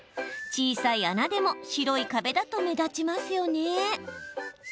小さい穴でも白い壁だと目立ちますよね？